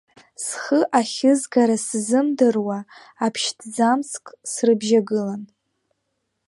Схы ахьызгара сзымдыруа, аԥшьҭӡамцк срыбжьагылан.